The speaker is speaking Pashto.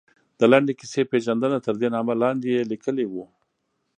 د لنډې کیسې پېژندنه، تردې نامه لاندې یې لیکلي وو.